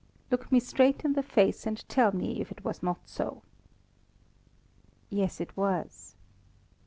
Look me straight in the face, and tell me if it was not so." "Yes, it was."